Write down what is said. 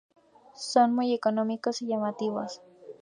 Son muy económicos y llamativos.